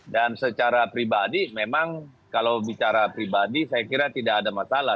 dan secara pribadi memang kalau bicara pribadi saya kira tidak ada masalah